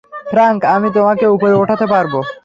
Frank, আমি তোমাকে উপরে উঠাতে পারব!